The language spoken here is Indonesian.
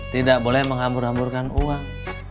tidak boleh mengambur amburkan uang